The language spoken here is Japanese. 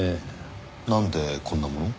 なんでこんなものを？